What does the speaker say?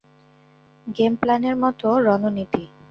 Game প্ল্যানের মতো, রণনীতি।